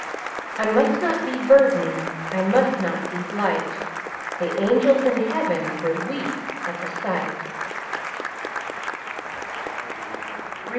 I must not be Burden, I must not be Blight, The angels in heaven would weep at the sight.